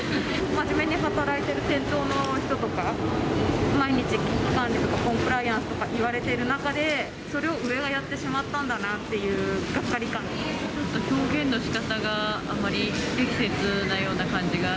真面目に働いてる店頭の人とか、毎日、危機管理とか、コンプライアンスとか言われている中で、それを上がやってしまっちょっと表現のしかたがあんまり不適切なような感じが。